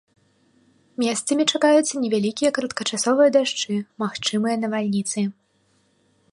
Месцамі чакаюцца невялікія кароткачасовыя дажджы, магчымыя навальніцы.